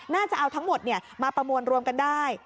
น่าจะเอาทั้งหมดมาประมวลรวมกันได้